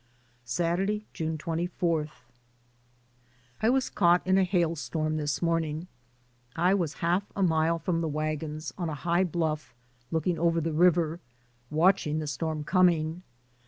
Saturday, June 24. I was caught in a hail storm this morn ing. I was half a mile from the wagons, on a high bluff, looking over the river, watching the storm coming.